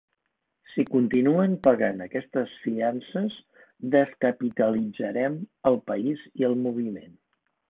Si continuen pagant aquestes fiances, descapitalitzarem el país i el moviment.